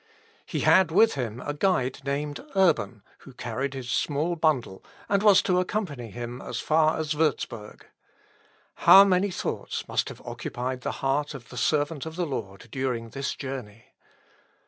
i, p. 98.) He had with him a guide named Urban, who carried his small bundle, and was to accompany him as far as Wurzburg. How many thoughts must have occupied the heart of the servant of the Lord during this journey!